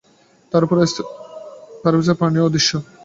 তার উপরের স্তরের প্রাণীরাও অদৃশ্য।